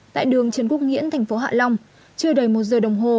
tại đường trần quốc nghĩa thành phố hạ long chưa đầy một giờ đồng hồ